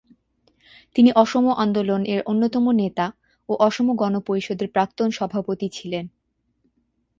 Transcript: তিনি অসম আন্দোলন-এর অন্যতম নেতা ও অসম গণ পরিষদের প্রাক্তন সভাপতি ছিলেন।